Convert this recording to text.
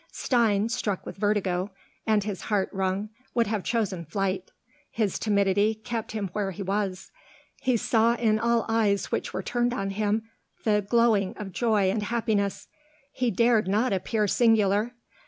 Stein, struck with vertigo, and his heart wrung, would have chosen flight: his timidity kept him where he was. He saw in all eyes which were turned on him the glowing of joy and happiness; he dared not appear singular.